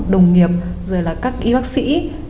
đồng nghiệp rồi là các y bác sĩ